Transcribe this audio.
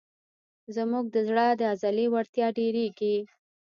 زموږ د زړه د عضلې وړتیا ډېرېږي.